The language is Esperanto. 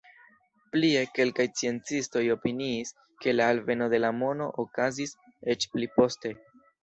Plie, kelkaj sciencistoj opiniis, ke la alveno de la mono okazis eĉ pli poste.